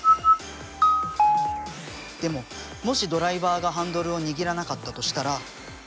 でももしドライバーがハンドルを握らなかったとしたら。